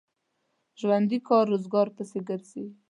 ژوندي کار روزګار پسې ګرځي